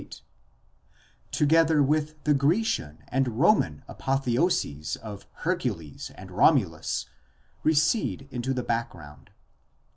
58), together with the Grecian and Roman apotheoses of Hercules and Romulus, recede into the background.